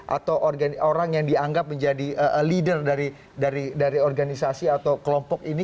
atau orang yang dianggap menjadi leader dari organisasi atau kelompok ini